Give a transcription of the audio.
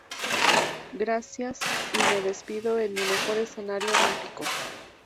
Gracias y me despido en mi mejor escenario Olímpico".